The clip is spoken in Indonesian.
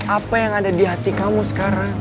apa yang ada di hati kamu sekarang